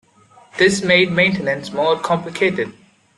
This made maintenance more complicated.